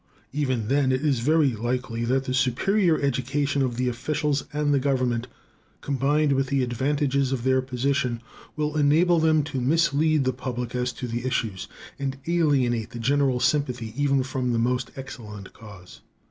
Even then it is very likely that the superior education of the officials and the government, combined with the advantages of their position, will enable them to mislead the public as to the issues, and alienate the general sympathy even from the most excellent cause.